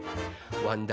わんだー